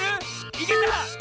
いけた！